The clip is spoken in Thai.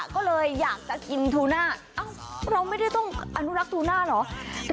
ก็เลยอยากจะกินทูน่าเราไม่ได้ต้องอนุรักษ์ทูน่าเหรอ